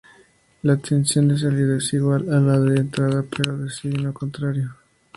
La tensión de salida es igual a la de entrada pero de signo contrario.